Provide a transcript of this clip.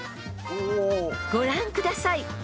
［ご覧ください］